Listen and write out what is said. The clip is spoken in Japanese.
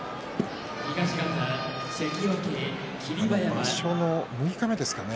場所の六日目ですかね